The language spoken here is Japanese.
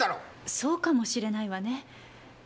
そうかも知れないわね。